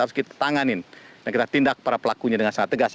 harus kita tanganin dan kita tindak para pelakunya dengan sangat tegas